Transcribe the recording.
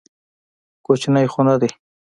کوچنى خو نه دى.